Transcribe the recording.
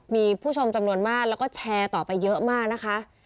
มีผู้ชมจำนวนมากแล้วก็แชร์ต่อไปเยอะมากนะคะ